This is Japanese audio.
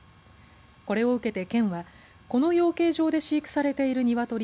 これを受けて県はこの養鶏場で飼育されているニワトリ